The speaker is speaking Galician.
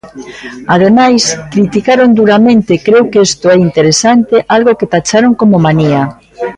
Ademais, criticaron duramente –creo que isto é interesante– algo que tacharon como manía.